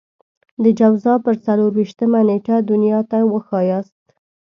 د جوزا پر څلور وېشتمه نېټه دنيا ته وښاياست.